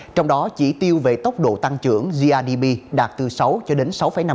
trong đó chỉ tiêu về tốc độ tăng trưởng grdp đạt từ sáu cho đến sáu năm